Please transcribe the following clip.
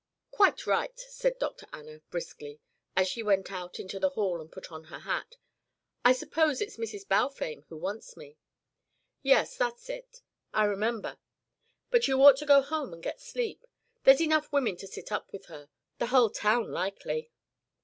"Quite right," said Dr. Anna briskly, as she went out into the hall and put on her hat. "I suppose it's Mrs. Balfame who wants me?" "Yes, that's it. I remember. But you ought to go home and get sleep. There's enough women to sit up with her. The hull town likely."